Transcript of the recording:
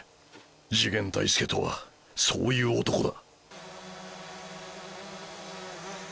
次元大介とはそういう男だ。